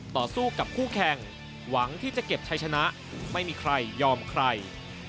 ต่อสู้กับคู่แข่งหวังที่จะเก็บชัยชนะไม่มีใครยอมใคร